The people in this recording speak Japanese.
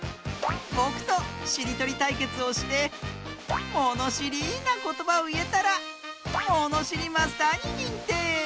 ぼくとしりとりたいけつをしてものしりなことばをいえたらもにしりマスターににんてい！